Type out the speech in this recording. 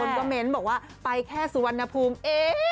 คอมเมนต์บอกว่าไปแค่สุวรรณภูมิเอง